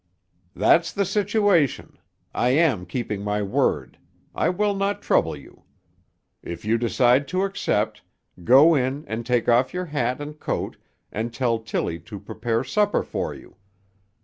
"That's the situation. I am keeping my word; I will not trouble you. If you decide to accept, go in and take off your hat and coat and tell Tilly to prepare supper for you.